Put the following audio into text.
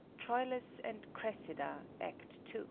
Troilus and Cressida, Act II.